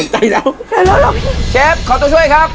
ไม่อดทนใจแล้วแรงมากแชฟขอต้องช่วยครับ